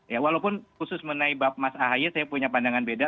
ya walaupun khusus menaibat mas ahaye saya punya pandangan beda